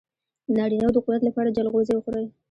د نارینه وو د قوت لپاره چلغوزي وخورئ